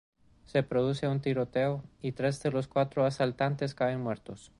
Se produce un tiroteo y tres de los cuatro asaltantes caen muertos.